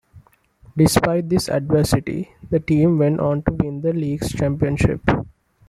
Despite this adversity, the team went on to win the league's championship.